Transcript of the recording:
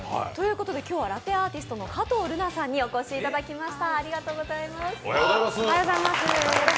今日はラテアーティストの加藤瑠菜さんにお越しいただきました。